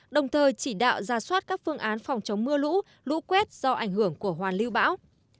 đồng thời chỉ đạo ra soát các phương án phòng chống mưa lũ lũ quét do ảnh hưởng của hoàn lưu bão